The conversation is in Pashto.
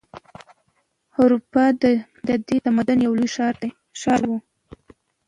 هراپا د دې تمدن یو لوی ښار و.